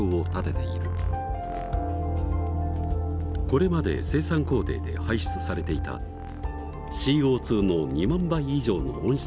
これまで生産工程で排出されていたＣＯの２万倍以上の温室効果を持つガス。